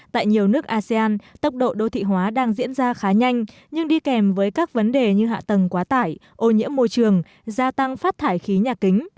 tại nhiều nước asean tốc độ đô thị hóa đang diễn ra khá nhanh nhưng đi kèm với các vấn đề như hạ tầng quá tải ô nhiễm môi trường gia tăng phát thải khí nhà kính